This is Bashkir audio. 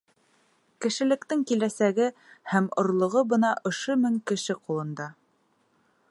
Кешелектең киләсәге һәм орлоғо бына ошо мең кеше ҡулында.